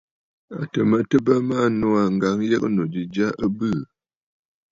À tɨ̀ mə tɨ bə maa nòò aa, ŋ̀gǎŋyəgə̂nnù ji jya ɨ bɨɨ̀.